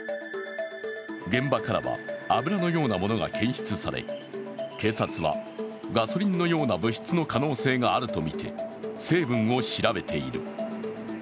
現場からは油のようなものが検出され警察はガソリンのような物質の可能性があるとみて成分を調べています。